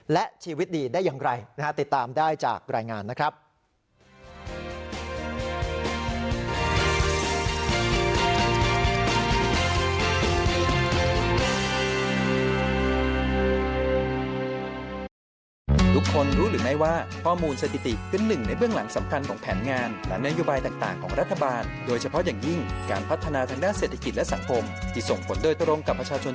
และชีวิตดีได้อย่างไรนะฮะติดตามได้จากรายงานนะครับ